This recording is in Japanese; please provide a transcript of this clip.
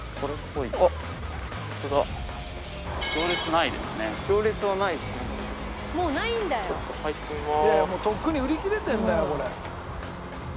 とっくに売り切れてるんだよこれ。